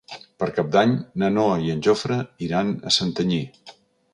Per Cap d'Any na Noa i en Jofre iran a Santanyí.